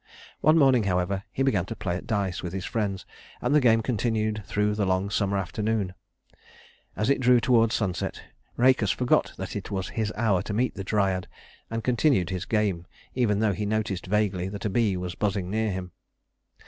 One morning, however, he began to play at dice with his friends, and the game continued through the long summer afternoon. As it drew toward sunset, Rhœcus forgot that it was his hour to meet the Dryad, and continued his game, even though he noticed vaguely that a bee was buzzing near him.